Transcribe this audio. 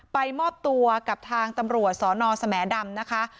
มอบตัวกับทางตำรวจสนสแหมดำนะคะ